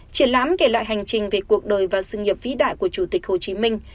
triển lãm kể lại hành trình về cuộc đời và sự nghiệp vĩ đại của chủ tịch hồ chí minh